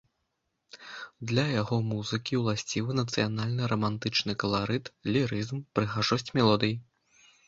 Для яго музыкі ўласцівы нацыянальны рамантычны каларыт, лірызм, прыгажосць мелодый.